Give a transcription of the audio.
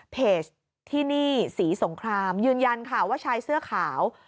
เพจที่นี่ศรีสงครามยืนยันค่ะว่าชายเสื้อขาว